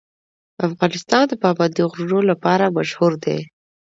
افغانستان د پابندی غرونه لپاره مشهور دی.